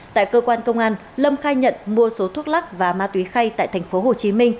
tại cơ quan công an lâm khai nhận mua số thuốc lắc và ma túy khay tại tp hcm